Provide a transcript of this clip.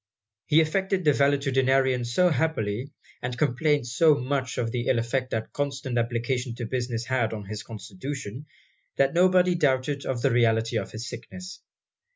He affected the valetudinarian so happily, and complained so much of the ill effect that constant application to business had on his constitution, that nobody doubted of the reality of his sickness.